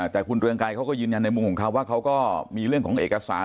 แต่คุณเรืองไกรเขาก็ยืนยันในมุมของเขาว่าเขาก็มีเรื่องของเอกสาร